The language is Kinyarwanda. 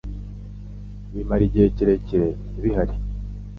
bimara igihe kirekire bihari